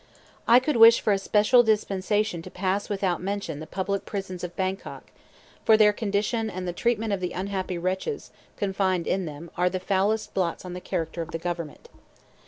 I could wish for a special dispensation to pass without mention the public prisons of Bangkok, for their condition and the treatment of the unhappy wretches confined in them are the foulest blots on the character of the government.